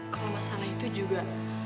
kalau masalah itu juga